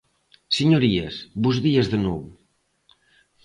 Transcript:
Señorías, bos días de novo.